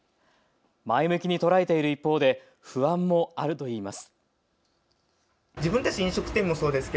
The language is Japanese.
前向きに捉えている一方で不安もあるといいます。